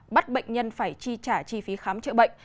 bắt bệnh nhân phải chi trả chi phí khám chữa bệnh